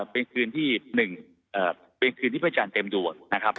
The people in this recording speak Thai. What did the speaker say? เป็นคืนที่๑เป็นคืนที่พระอาจารย์เต็มดวงนะครับ